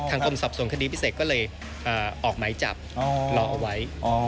กรมสอบส่วนคดีพิเศษก็เลยออกหมายจับรอเอาไว้